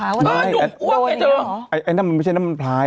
ว่าอ่ะหนุ่มอ้วกไงเจออ๋ออันนั้นมันไม่ใช่น้ำมันพลาย